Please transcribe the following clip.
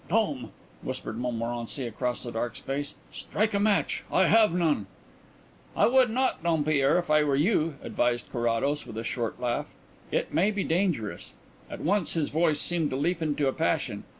"Dom," whispered Montmorency across the dark space, "strike a match. I have none." "I would not, Dompierre, if I were you," advised Carrados, with a short laugh. "It might be dangerous." At once his voice seemed to leap into a passion.